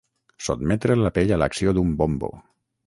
Sotmetre la pell a l'acció d'un bombo.